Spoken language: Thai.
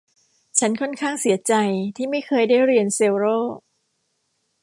ฉันค่อนข้างเสียใจที่ไม่เคยได้เรียนเซลโล่